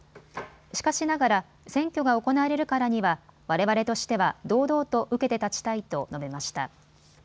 しかしながら選挙が行われるからにはわれわれとしては堂々と受けて立ちたいと述べました。